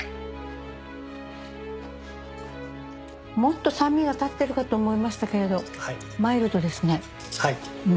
もっと酸味が立ってるかと思いましたけどマイルドですね。